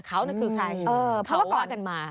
เขาก็จะใคร